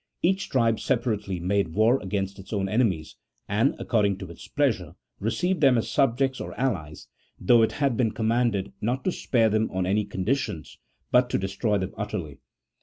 Each tribe separately made war against its own enemies, and, according to its pleasure, received them as subjects or allies, though it had been commanded not to spare them on any conditions, but to de stroy them utterly.